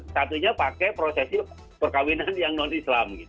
satunya pakai prosesi perkawinan yang non islam